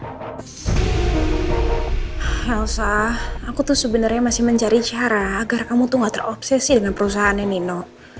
yaudah elsa aku tuh sebenernya masih mencari cara agar kamu tuh gak terobsesi dengan perusahaan nino